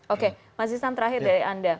oke mas issan terakhir dari anda